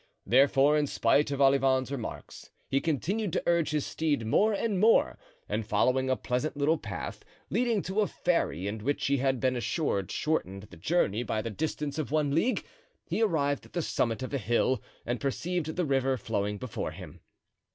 Therefore, in spite of Olivain's remarks, he continued to urge his steed more and more, and following a pleasant little path, leading to a ferry, and which he had been assured shortened the journey by the distance of one league, he arrived at the summit of a hill and perceived the river flowing before him.